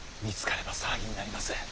見つかれば騒ぎになります。